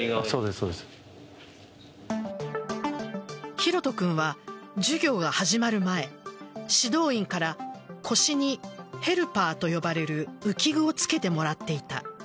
拓杜君は授業が始まる前指導員から腰にヘルパーと呼ばれる浮具をつけてもらっていた。